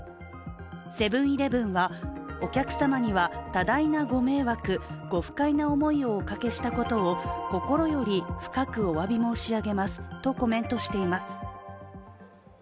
セブン−イレブンはお客様には多大なご迷惑、ご不快な思いをおかけしたことを心より深くおわび申し上げますとコメントしています。